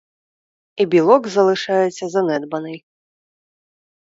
І білок лишається занедбаний.